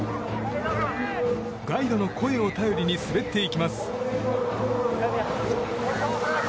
ガイドの声を頼りに滑っていきます。